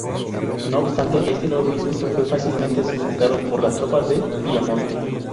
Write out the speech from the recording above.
No obstante, este nuevo intento fue fácilmente sofocado por las tropas de Piamonte.